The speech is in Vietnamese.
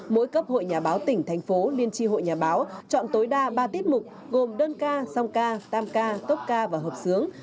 mỗi cấp hội nhà báo tỉnh thành phố liên tri hội nhà báo chọn tối đa ba tiết mục gồm đơn ca song ca tam ca tốt ca và hợp sướng